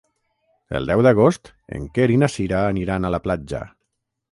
El deu d'agost en Quer i na Cira aniran a la platja.